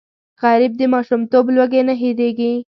غریب د ماشومتوب لوږې نه هېرېږي